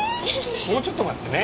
もうちょっと待ってね。